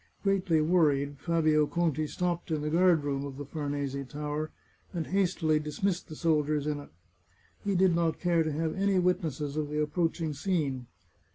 Greatly worried, Fabio Conti stopped in the guard room of the Farnese Tower, and hastily dismissed the soldiers in it. He did not care to have any witnesses of the approach ing scene.